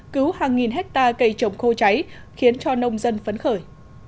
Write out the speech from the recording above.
cứu hàng nghìn hectare cây trồng khô cháy khiến cho nông dân phấn khởi